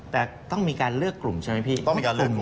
แต่ต้องมีการเลือกกลุ่มใช่ไหมพี่ต้องมีการเลือกกลุ่ม